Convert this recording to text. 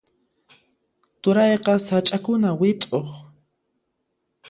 Turayqa sach'akuna wit'uq.